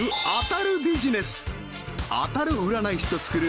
当たる占い師と作る